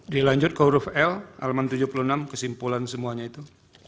dilanjut ke huruf l tujuh puluh enam kesimpulan semuanya itu